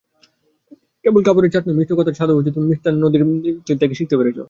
কেবল কাপড়ের ছাঁট নয়, মিষ্ট কথার ছাঁদও তুমি মিস্টার নন্দীর কাছে শিখতে পার।